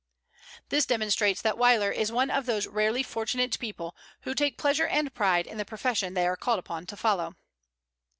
This demonstrates that Weyler is one of those rarely fortunate people who take pleasure and pride in the profession they are called upon to follow.